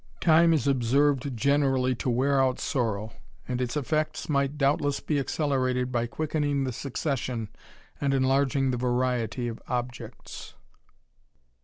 Time is observed generally to wear out sorrow, and its effects might doubtless be accelerated by quickening the succession, and enlarging the variety of objects.